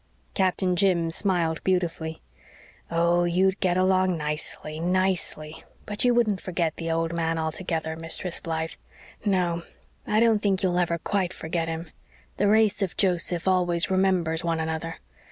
Captain Jim smiled beautifully. "Oh, you'd get along nicely nicely but you wouldn't forget the old man altogether, Mistress Blythe no, I don't think you'll ever quite forget him. The race of Joseph always remembers one another.